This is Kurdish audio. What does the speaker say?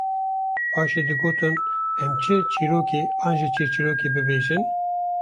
paşê digotin: Em çi çîrokê an çîrçîrokê bibêjin